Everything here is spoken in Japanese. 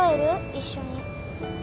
一緒に。